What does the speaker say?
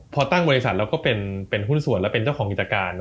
พอตั้งบริษัทเราก็เป็นหุ้นส่วนแล้วเป็นเจ้าของกิจการ